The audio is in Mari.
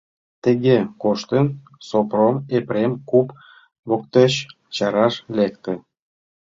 Тыге коштын, Сопром Епрем куп воктеч чараш лекте.